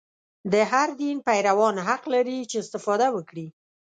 د هر دین پیروان حق لري چې استفاده وکړي.